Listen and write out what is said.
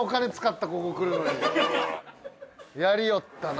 やりおったな。